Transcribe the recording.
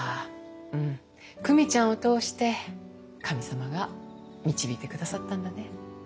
うん久美ちゃんを通して神様が導いてくださったんだね。